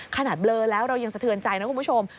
เบลอแล้วเรายังสะเทือนใจนะคุณผู้ชม